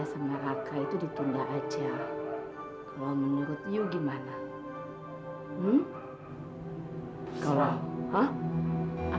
sekarang tergantung you selesai ya oke nanti kamu bilang sementara ya